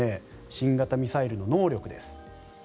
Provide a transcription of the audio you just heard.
新型ミサイルの能力です。